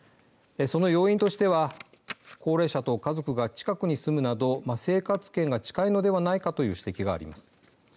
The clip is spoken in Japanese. その要因としては高齢者と家族が近くに住むなど生活圏が近いのではないかという指摘があります。